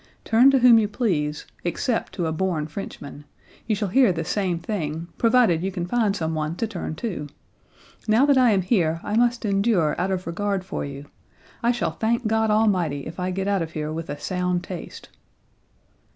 Turn to whom you please, except to a born Frenchman, you shall hear the same thing, provided you can find some one to turn to. Now that I am here I must endure out of regard for you. I shall thank God Almighty if I get out of here with a sound taste."